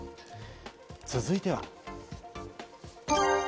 続いては。